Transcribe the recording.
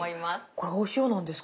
これお塩なんですか？